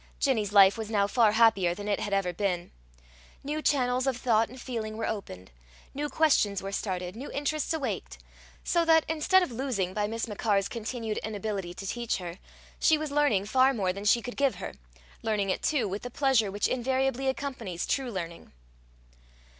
Ginny's life was now far happier than it had ever been. New channels of thought and feeling were opened, new questions were started, new interests awaked; so that, instead of losing by Miss Machar's continued inability to teach her, she was learning far more than she could give her, learning it, too, with the pleasure which invariably accompanies true learning.